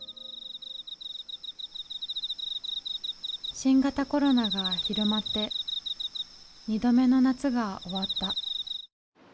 新型コロナが広まって２度目の夏が終わった。